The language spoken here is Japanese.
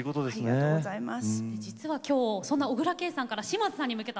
ありがとうございます。